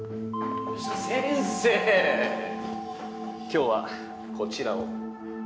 今日はこちらを。